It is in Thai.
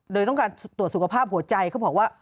โดยต้องการตรวจสุขภาพหัวใจเขาบอกว่า